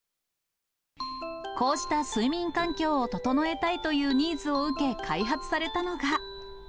こうした睡眠環境を整えたいというニーズを受け開発されたのが。